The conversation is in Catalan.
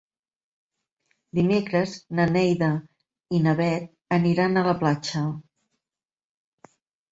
Dimecres na Neida i na Bet aniran a la platja.